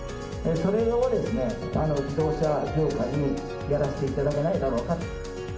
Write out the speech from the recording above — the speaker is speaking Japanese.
それをですね、自動車業界にやらせていただけないだろうか。